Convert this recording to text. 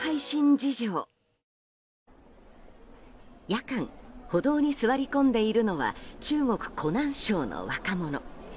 夜間歩道に座り込んでいるのは中国・湖南省の若者。